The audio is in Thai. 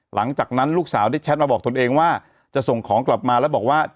หลังจากนั้นลูกสาวได้แชทมาบอกตนเองว่าจะส่งของกลับมาแล้วบอกว่า